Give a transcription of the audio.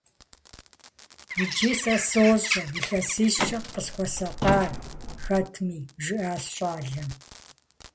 - Иджы сэ сощӀэ илъэсищкӀэ къысхуэсакъар хэтми, - жиӀащ щӀалэм.